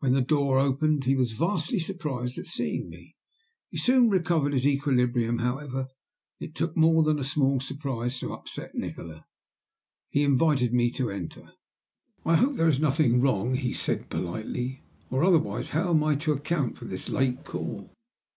When the door opened he was vastly surprised at seeing me; he soon recovered his equilibrium, however. It took more than a small surprise to upset Nikola. He invited me to enter. "I hope there is nothing wrong," he said politely. "Otherwise how am I to account for this late call?"